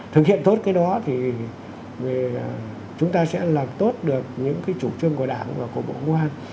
thực hiện tốt cái đó thì chúng ta sẽ làm tốt được những cái chủ trương của đảng và của bộ công an